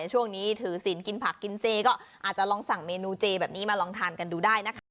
ช่วงนี้ถือศิลปกินผักกินเจก็อาจจะลองสั่งเมนูเจแบบนี้มาลองทานกันดูได้นะคะ